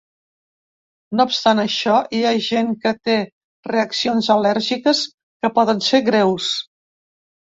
No obstant això, hi ha gent que té reaccions al·lèrgiques que poden ser greus.